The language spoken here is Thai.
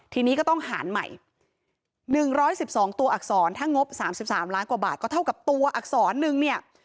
ทีนี้ก็ต้องหารใหม่๑๑๒ตัวอักษรถ้างบ๓๓ล้านกว่าบาทก็เท่ากับตัวอักษรนึงเนี่ย